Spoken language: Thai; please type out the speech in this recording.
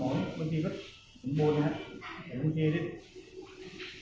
จอมปอนต์ก็คือเป็นการสมองนี่เดี๋ยวไม่มีที่จะ